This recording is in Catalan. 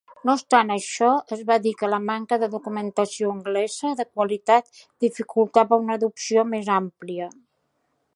No obstant això, es va dir que la manca de documentació anglesa de qualitat dificultava una adopció més àmplia.